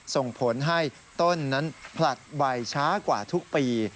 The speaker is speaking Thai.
ส่งผลให้ต้นนั้นผลัดใบช้ากว่าทุกปี